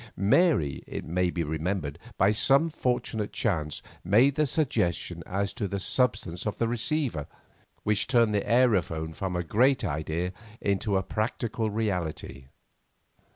Mary, it may be remembered, by some fortunate chance, made the suggestion as to the substance of the receiver, which turned the aerophone from a great idea into a practical reality.